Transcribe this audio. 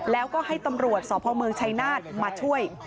แล้วก็ให้ตำรวจสพเมืองชัยนาธมาช่วย